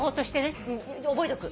覚えとく。